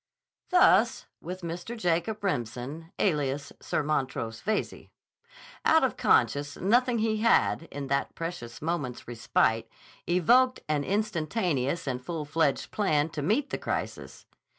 Thus with Mr. Jacob Remsen alias Sir Montrose Veyze. Out of conscious nothing he had, in that precious moment's respite, evoked an instantaneous and full fledged plan to meet the crisis.